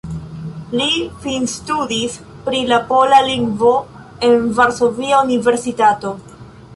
Li finstudis pri la pola lingvo en Varsovia Universitato.